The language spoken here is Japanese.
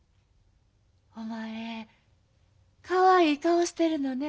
お前かわいい顔してるのね。